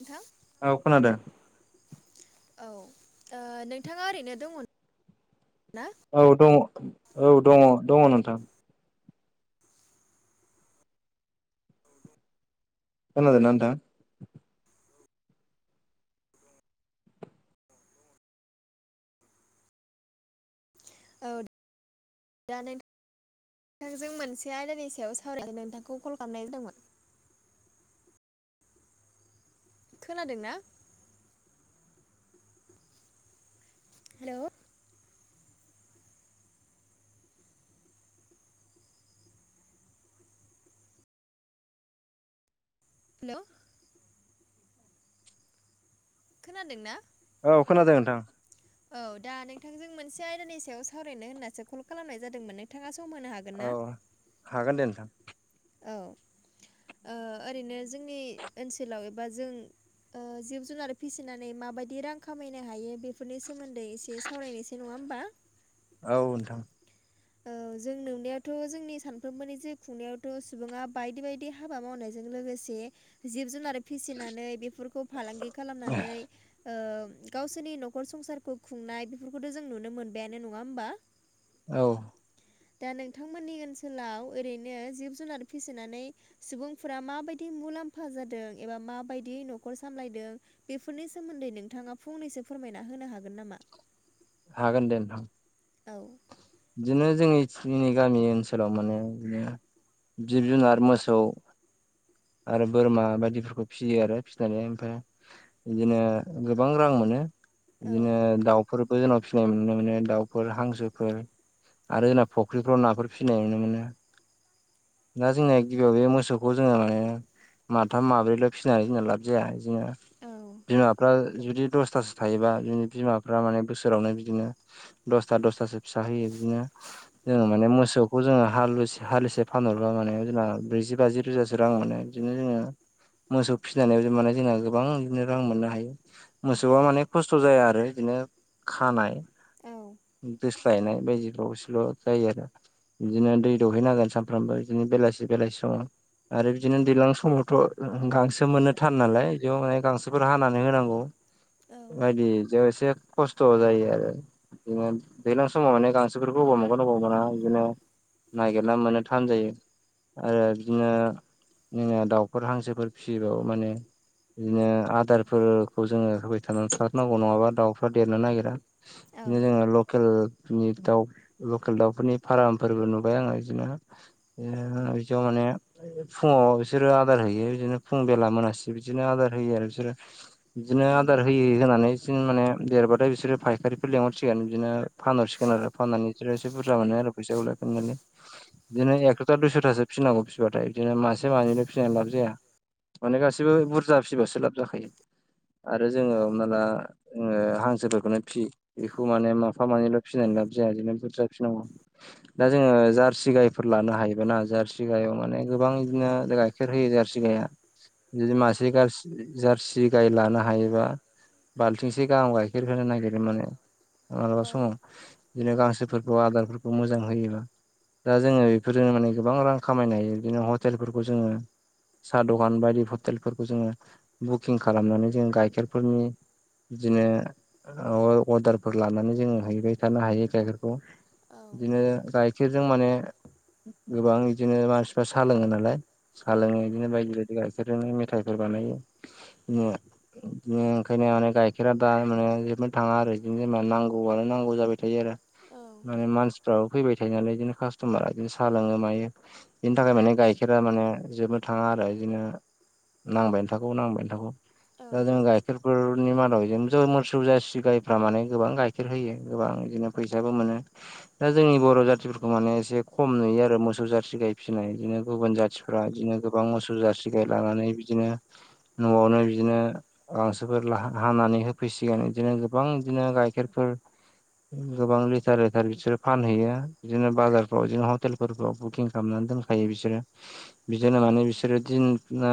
नोंथां औ खोनदो औ नोंथाङा ओरैनो दङ ना? औ दङ औ दङ दङ नोंथां। खोनादों ना नोंथां? औ दा नों नोंथांजों मोनसे आयदानि सायाव सावरायनो नोंथांखौ कल खालामनाय जादोंमोन। खोनादोंना? हेल'। हेल' खोनादोंना? औ खोनादों नोंथां। औ दा नोंथांजों मोनसे आयदानि सायाव सावरायनो होन्नासो कल खालामनाय जादोंमोन नोंथाङा सम होनो हा औ हागोन दे नोंथां। औ ओ ओरैनो जोंनि ओनसोलाव एबा जों ओ जिब जुनार फिसिनानै माबायदि रां खामायनो हायो बेफोरनि सोमोन्दै एसे सावरायनोसै नङा होमबा? औ नोंथां। औ जों नुनायावथ' जोंनि सानफ्रोमबोनि जे खुंनायावथ' सुबुङा बायदि-बायदि हाबा मावनायजों लोगोसे जिब जुनार फिसिनानै बेफोरखौ फालांगि खालामनानै ओ गावसोरनि न'खर संसारखौ खुंनाय बेफोरखौथ' जों नुनो मोनबायानो नङा होमबा। औ। दा नोंथांमोननि ओनसोलाव ओरैनो जिब जुनार फिसिनानै सुबुंफोरा माबायदि मुलाम्फा जादों एबा माबायदि न'खर सामलायदों बेफोरनि सोमोन्दै नोंथाङा फंनैसो फोरमायना होनो हागोन नामा? हागोन दे नोंथां। औ। बिदिनो जोंनि-जोंनि गामि ओनसोलाव माने बिदिनो जिब जुनार मोसौ आरो बोरमा बायदिखौबो फिसियो आरो फिसिनानै ओमफाय इदिनो गोबां रां मोनो। औ इदिनो दाउफोरबो जोंनाव फिसिनाय नुनो मोनो दाउफोर हांसोफोर आरो जोंना फुख्रिफ्राव नाफोर फिसिनाय नुनो मोनो। दा जोंनिया गिबियाव बे मोसौखौ जोङो माथाम माब्रैल' फिसि ना जोंना लाब जाया जोंना औ बिमाफ्रा जुदि दसथासो थायोबा बिनि बिमा फ्रा माने बोसोरावनो बिदिनो दसथा दसथासो फिसा होयो। इदिनो जोङो माने मोसौखौ जोङो हालुसे हालिसे फानहरबा माने जोंना ब्रैजि बाजि रोजासो रां मोनो। बिदिनो जोङो मोसौ फिसिनानैबो माने जोंना गोबां इदिनो रां मोननो हायो। मोसौआ माने खस्थ' जाया आरो बिदिनो खानाय दोस्लायनाय बायदि बावसोल' जायो आरो। बिदिनो दै दौहैनांगोन सानफ्रामबो बिदिनो बेलासि-बेलासि समाव। आरो बिदिनो दैलां समावथ' गांसो मोननो थान नालाय बेयाव माने गांसोफोर हानानै होनांगौ। बायदि जो से खस्थ' जायो आरो [unintelligible] दैलां समाव माने गांसो फोरखौ अबाव मोनगोन अबाव मोना बिदिनो नागिरना मोननो थान जायो आरो दिनो जोंना दाउफोर हांसोफोर फिसिबाबो माने इदिनो आदारफोरखौ जोङो होबाय था-थारनांगौ नङाबा दाउफ्रा देरनो नागिरा। औ बिदिनो जोङो लकेलनि दाउ लकेल दाउफोरनि फारामफोरबो नुबाय आङो इदिनो इदिनो बिदियाव माने फुङाव बिसोरो आदार होयो बिदिनो फुं बेला मोनासे बिदिनो आदार होयो आरो बिसोरो। बिदिनो औ आदार होयै-होयै होनानै बिदिनो माने देरबाथाय बिसोरो फायखारिफोर लिंहरसिगोन बिदिनो फानहरसिगोन आरो फाननानै बिसोरो एसे बुरजा मोनो आरो फैसाखौलाय [unintelligible] बिदिनो एक्स'था दुइस'थासो फिसिनांगौ फिसिबाथाय बिदिनो मासे मानैल' फिसिनानै लाब जाया। माने गासिबो बुरजा फिसिबासो लाब जाखायो। आरो जोङो औ हमनाला ओ हांसोफोरखौनो फि बेखौ माने माफा मानैल' फिनानै लाब जाया बिदिनो बुरजा फिनांगौ। दा जोङो जारसि गायफोर लानो हायोबा ना जारसि गायाव माने गोबां इदिनो गाय खेर होयो जारसि गाइआ जुदि मासे गार्सि जार्सि गाय लानो हायोबा बालथिंसे गाहाम गाइखेर होनो नागिरो माने मालाबा समाव बिदिनो गांसोफोरखौ आदारफोरखौ मोजां होयोबा। दा जोङो बेफोरजों माने गोबां रां खामायनो हायो बिदिनो हटेलफोरखौ जोङो सा दखान बायदि हटेलफोरखौ जोङो बुकिं खालामनानै जों गाइखेरफोरनि दिनो अर्डारफोर लानानै जोङो हैबाय थानो हायो। गाइखेरखौ बिदिनो गाइखेरजों माने गोबां इदिनो मानसिफ्रा सा लोङो नालाय सा लोङो बिदिनो बायदि बायदि गाइखेरजोंनो मेथाइफोर बानायो। बिदिनो ओंखायनो माने गाइखेरा दा माने जोबनो थाङा आरो बिदिनो जेनबा नांगौआनो नांगौ जाबाय थायो आरो माने मानसिफ्राबो फैबाय थायो नालाय बिदिनो कास्ट'मारा बिदिनो साहा लोङो मायो। बिनि थाखाय माने गाइखेरा माने जोबनो थाङा आरो इदिनो नांबायनो थागौ नांबायनो थागौ दा जों गाइ खेरफोरनि मादाव इदिनो [unintelligible] मोसौ जारसि गाइफोरा माने गोबां गाइखेर होयो गोबां बिदिनो फैसाबो मोनो दा जोंनि बर' जाथिफोरखौ माने एसे खम नुयो आरो मोसौ जारसि गाय फिसिनाय बिदिनो गुबुन जाथि फोरा बिदिनो गोबां मोसौ जारसि गाइ लानानै बिदिनो न'आवनो बिदिनो गांसोफोर ला हानानै होफैसिगोन इदिनो गोबां बिदिनो गाइखेरफोर गोबां लिटार लिटार बिसोरो फानहैयो बिदिनो बाजारफ्राव बिदिनो हटेलफोरफ्राव बुकिं खालामनानै दोन थायो बिसोरो बिदिनो माने बिसोरो दिन ओ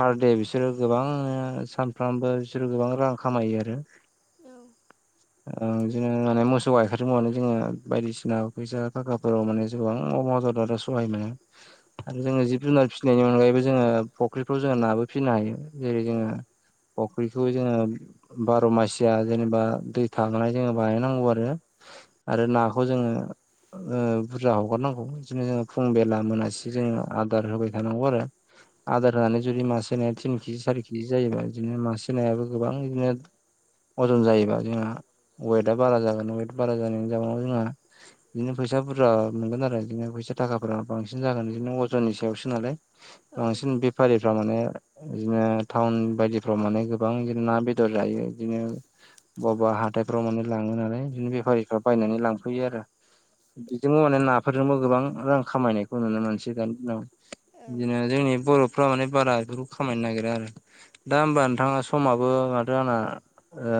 पार दे बिसोरो गोबां ओ सान फ्रामबो बिसोरो गोबां रां खामायो आरो औ ओ बिदिनो माने मोसौ गाइखारजों माने जोङो बायदिसिना फैसा थाखाफोराव माने [unintelligible] सहाय मोनो आरो जोङो जिब जुनार फिसिनायनि अनगायैबो जोङो फख्रिफ्राव जोङो नाबो फिनो हायो जेरै जोङो फुख्रिखौ जोङो बार' मासिया जेनेबा दै थाहांनाय जोङो बायनांगौ आरो आरो नाखौ जोङो ओ बुरजा हगारनांगौ इदिनो जोङो फुं बेला मोनासि जोङो आदार होबाय थानांगौ आरो आदार होनानै जुदि मासे नाया थिन किजि सारि केजि जायोबा बिदिनो मासे नायाबो गोबां बिदिनो अजन जायोबा जोंहा वेटआ बारा जागोन वेट बारा जानायनि जाउनाव जोंहा बिदिनो फैसा बुरजा मोनगोन आरो बिदिनो फैसा थाखाफोरा बांसिन जागोन बिदिनो अजननि सायावसो नालाय बांसिन बेफारिफ्रा माने बिदिनो टाउन बायदिफ्राव माने गोबां बिदिनो ना बेदर जायो बिदिनो बवा बवा हाथायफ्राव माने लाङो नालाय बिदिनो बेफारिफ्रा बायनानै लांफैयो आरो बेजोंबो माने नाफोरजोंबो गोबां रां खामायनायखौ नुनो मोनसै दानि दिनाव। बिदिनो जोंनि बर'फ्रा माने बारा बेफोरखौ खामायनो नागिरा आरो दा होमबा नोंथाङा समाबो माथो आंना ओ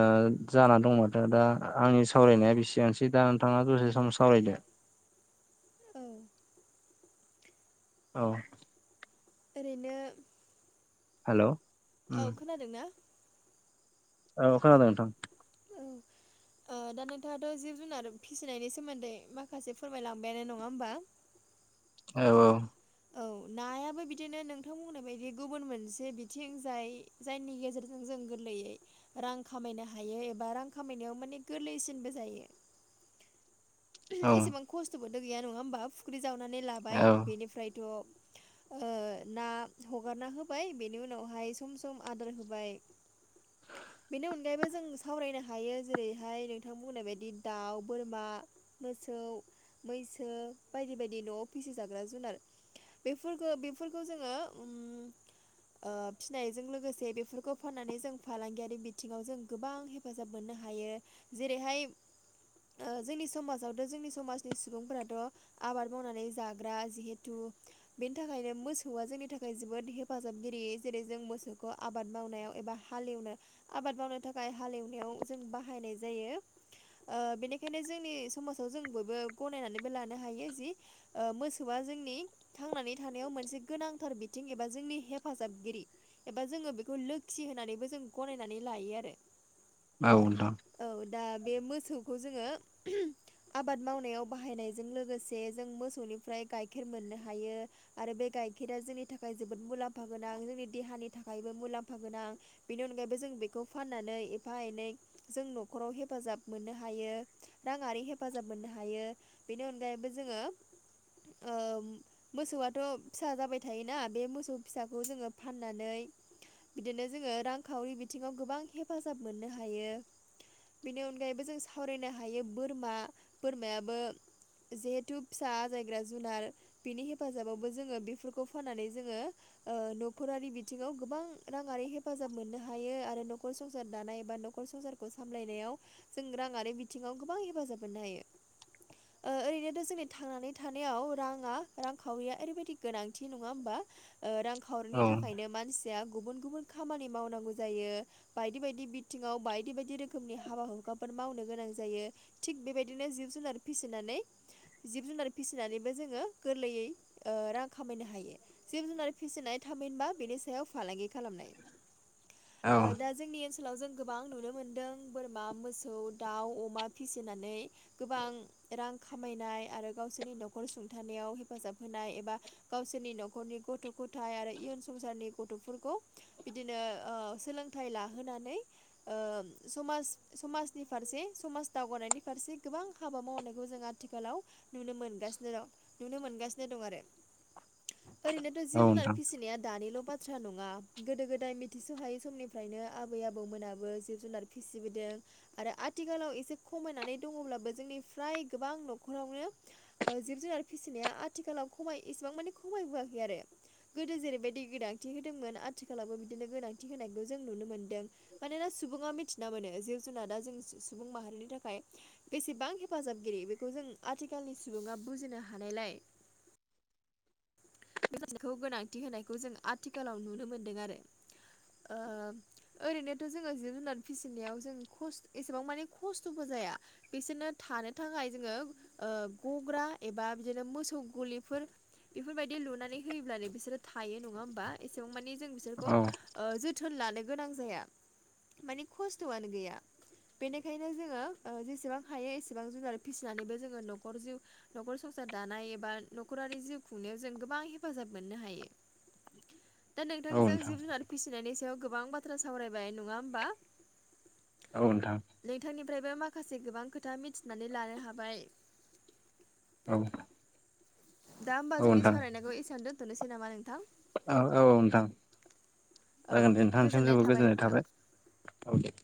जाना दंमोन। दा आंनि सावरायनाया बेसेयानोसै दा नोंथाङा दसे सम सावरायदो। औ औ ओरैनो हेल' उम औ खोनादों ना? औ खोनादों नोंथां। औ ओ दा नोंथाङाथ' जिब जुनार फिसिनायनि सोमोन्दै माखासे फोरमायलांबायानो। नङा होमबा? औ औ औ। नायाबो बिदिनो नोंथां बुंनाय बायदि गुबुन मोनसे बिथिं। जाय जायनि गेजेरजों जों गोरलैयै रां खामायनो हायो एबा रां खामायनायाव माने गोरलैसिनबो जायो। औ एसेबां खस्थ'बोथ' गैया नङा होमबा फुख्रि जावनानै लाबाय औ बेनिफ्रायथ' ना हगारना होबाय बेनि उनावहाय सम सम आदार होबाय औ। बेनि अनगायैबो जों सावरायनो हायो। जेरैहाय नोंथां बुंनाय बायदि दाउ, बोरमा, मोसौ, मैसो, बायदि बायदि न'आव फिसिजाग्रा जुनार बेफोरखौ बेफोरखौ जोङो फिनायजों लोगोसे बेफोरखौ फाननानै जों फालांगियारि बिथिङाव जों गोबां हेफाजाब मोननो हायो। जेरैहाय जोंनि समाजाव जोंनि समाजनि सुबुंफोराथ' आबाद मावनानै जाग्रा जिहेथु बेनि थाखायनो मोसौआ जोंनि थाखाय जोबोद हेफाजाबगिरि जेरै जों मोसौखौ आबाद मावनायाव एबा हालेवनो आबाद मावनो थाखाय हालेवनायाव जों बाहायनाय जायो। बेनिखायनो जोंनि समाजाव जों बयबो गनायनानैबो लानो हायो। जि मोसौआ जोंनि थांनानै थानायाव मोनसे गोनांथार बिथिं एबा जोंनि हेफाजाबगिरि एबा जोङो बेखौ लोखि होनानैबो जों गनायनानै लायो आरो। औ नोंथां। औ। दा बे मोसौखौ जोङो आबाद मावनायाव बाहायनायजों लोगोसे जों मोसौनिफ्राय गाइखेर मोननो हायो। आरो बे गाइखेरा जोंनि थाखाय जोबोद मुलाम्फा गोनां जोंनि देहानि थाखायबो मुलाम्फा गोनां। बेनि अनगायैबो जों बेखौ फाननानै एफा एनै जों न'खराव हेफाजाब मोननो हायो। राङारि हेफाजाब मोननो हायो। बेनि अनगायैबो जोङो ओ मोसौआथ फिसा जाबाय थायोना। बे मोसौ फिसाखौ जोङो फाननानै बिदिनो जोङो रांखावरि बिथिङाव गोबां हेफाजाब मोननो हायो। बेनि अनगायैबो जों सावरायनो हायो बोरमा बोरमायाबो जिहेथु फिसा आजायग्रा जुनार। बिनि हेफाजाबावबो जोङो बेफोरखौ फाननानै जोङो ओ नखरारि बिथिङाव गोबां राङारि हेफाजाब मोननो हायो। आरो नखर संसार दानाय एबा नखर संसार खौ सामलायनायाव जों रांआारि बिथिङाव गोबां हेफाजाब मोननो हायो। ओरैनोथ जोंनि थांनानै थानायाव राङा रांखावरिया ओरैबायदि गोनांथि नङा होमबा। ओ रांखावरिनि औ थाखायनो मानसिया गुबुन गुबुन खामानि मावनांगौ जायो। बायदि बायदि बिथिङाव बायदि बायदि रोखोमनि हाबा हुखाफोर मावनो गोनां जायो। थिग बे बायदिनो जिब जुनार फिसिनानै जिब जुनार फिसिनानैबो जोङो गोरलैयै ओ रां खामायनो हायो। जिब जुनार फिसिनाय। थामहिनबा बेनि सायाव फालांगि खालामनाय औ दा जोंनि ओ ओनसोलाव जों गोबां नुनो मोनदों। बोरमा, मोसौ, दाउ, अमा फिसिनानै गोबां रां खामायनाय आरो गावसोरनि नखर सुंथानायाव हेफाजाब होनाय एबा गावसोरनि नखरनि गथ' गथाय आरो इयुन संसारनि गथफोरखौ बिदिनो ओ सोलोंथाइ लाहोनानै ओ समाज समाजनि फारसे समाज दावगानायनि फारसे गोबां हाबा मावनायखौ जों आथिखालाव नुनो मोनगासिनो दं। नुनो मोनगासिनो दं आरो। ओरैनोथ औ जिब-जुनार नोंथां फिसिनाया दानिल' बा बाथ्रा नङा। गोदो गोदाइ मिथिस'हायै समनिफ्रायनो आबै आबौमोनाबो जिब-जुनार फिसिबोदों। आरो आथिखालाव एसे खमायनानै दङब्लाबो जोंनि फ्राय गोबां नखरावनो जिब-जुनार फिसिनाया आथिखालाव खमाय इसेबां माने खमायबोआखै आरो। गोदो जेरैबायदि गोनांथि होदोंमोन। आथिखालावबो बिदिनो गोनांथि होनायखौ जों नुनो मोन्दों। मानोना सुबुङा मिथिना मोनो जिब-जुनादा जों सुबुं माहारिनि थाखाय बेसेबां हेफाजाबगिरि बेखौ जों आथिखालनि सुबुङा बुजिनो हानायलाय [inaudible] [unintelligible] गोनांथि होनायखौ जों आथिखालाव नुनो मोनदों आरो ओ ओरैनोथ' जोङो जिब जुनार फिसिनायाव जों खस एसेबां माने खस थबो जाया बिसोरनो थानो थाखाय जोङो ओ गग्रा एबा बिदिनो मोसौ गलिफोर बेफोरबायदि लुनानै होयोब्लानो बिसोरो थायो नङा होमबा एसेबां मानि जों बिसोरखौ औ ओ जोथोन लानो गोनां जाया मानि खस्थआनो गैया बेनिखाय जोङो ओ जेसेबां हायो एसेबां जुनार फिसिनानैबो जोङो नखर जिउ नखर संसार दानाय एबा न'खरारि जिउ खुंनायाव जों गोबां हेफाजाब मोननो हायो दा औ नोंथांजों नोंथां जिब जुनार फिसिनायनि सायाव गोबां बाथ्रा सावरायबाय नङा होमबा औ नोंथां नोंथांनिफ्रायबो माखासे गोबां खोथा मिथिनानै लानो हाबाय औ दा होम्बा औ जोंनि नोंथां सावरायनायखौ इसेयावनो दोनथनोसै नामा नोंथां औ औ नोंथां जागोन दे नोंथांसिम जोबोद गोजोननाय थाबाय औ दे